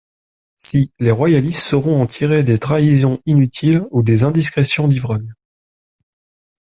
Si: les royalistes sauront en tirer des trahisons inutiles ou des indiscrétions d'ivrogne.